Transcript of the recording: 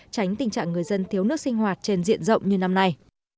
tránh tình trạng người dân thiếu nước sinh hoạt trên diện rộng như năm nay